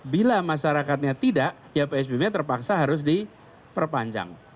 bila masyarakatnya tidak ya psbb nya terpaksa harus diperpanjang